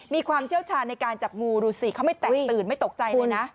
มีความเชี่ยวชาญในการจับงูดูสิเขาไม่แตกตื่นไม่ตกใจเลยนะ